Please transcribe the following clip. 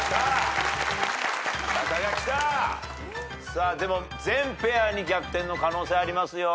さあでも全ペアに逆転の可能性ありますよ。